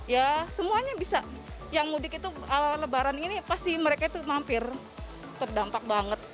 ya semuanya bisa yang mudik itu lebaran ini pasti mereka itu mampir terdampak banget